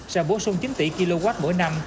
sẽ bổ sung chín tỷ kw mỗi năm